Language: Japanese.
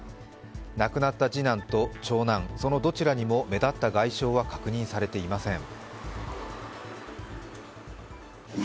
亡くなった次男と長男、そのどちらにも目立った外傷は確認されていません。